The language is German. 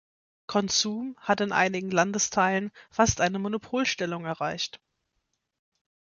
Konzum hat in einigen Landesteilen fast eine Monopolstellung erreicht.